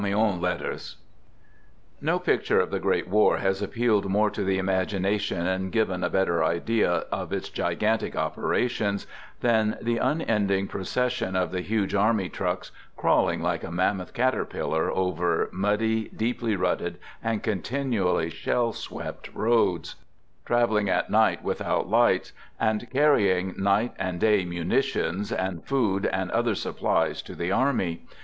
Digitized by CAMION LETTERS f No picture of the great war has appealed more to ■ the imagination and given a better idea of its gigan * tic operations than the unending procession of the ; huge army trucks, crawling like a mammoth cater I pillar over muddy, deeply rutted and continually shell swept roads ; traveling at night without lights, and carrying night and day munitions and food and other supplies to the army.